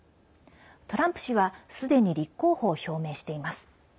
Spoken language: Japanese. トランプ氏はすでに立候補を表明しています。